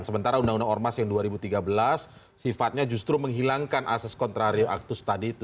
sementara undang undang ormas yang dua ribu tiga belas sifatnya justru menghilangkan asas kontrario aktus tadi itu